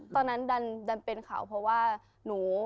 ตอนนั้นดันเป็นข่าวเพราะว่าหนู